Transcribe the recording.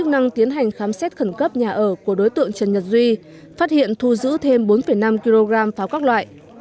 năng tiến hành khám xét khẩn cấp nhà ở của đối tượng trần nhật duy phát hiện thu giữ thêm bốn năm kg pháo các loại